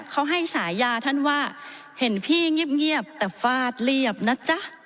เขาให้ฉายาท่านว่าเห็นพี่เงียบแต่ฟาดเรียบนะจ๊ะ